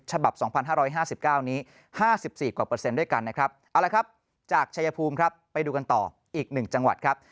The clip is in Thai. ๒๕๕๙นี้๕๔กว่าเปอร์เซ็นต์ด้วยกันนะครับเอาละครับจากชายภูมิครับไปดูกันต่ออีก๑จังหวัดครับ